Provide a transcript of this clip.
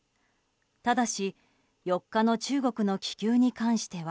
ただし４日の中国の気球に関しては